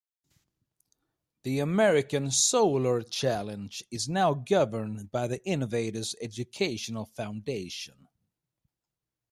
The American Solar Challenge is now governed by the "Innovators Educational Foundation".